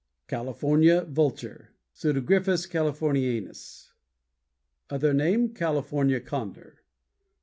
=CALIFORNIA VULTURE= Pseudogryphus californianus. Other name: California Condor.